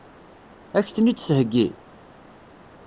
Ad k-ten-id-theggi?